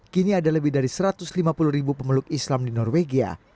kini ada lebih dari satu ratus lima puluh ribu pemeluk islam di norwegia